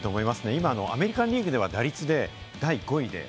今アメリカンリーグは打率で第５位。